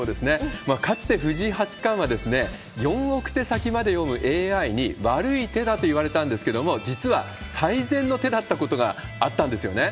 かつて藤井八冠は、４億手先まで読むＡＩに悪い手だと言われたんですけれども、実は最善の手だったことがあったんですよね。